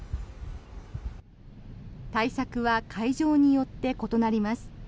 対策は会場によって異なります。